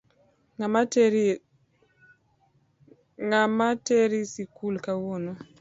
Ng'ama teri sikul kawuono?